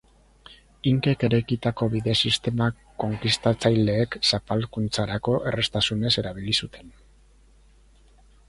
Inkek eraikitako bide sistema konkistatzaileek zapalkuntzarako erraztasunez erabili zuten.